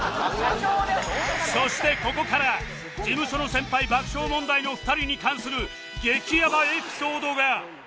そしてここから事務所の先輩爆笑問題の２人に関する激ヤバエピソードが